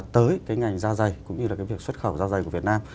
tới cái ngành da dày cũng như là cái việc xuất khẩu da dày của việt nam